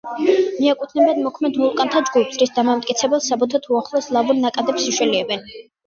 მიაკუთვნებენ მოქმედ ვულკანთა ჯგუფს, რის დამამტკიცებელ საბუთად უახლეს ლავურ ნაკადებს იშველიებენ.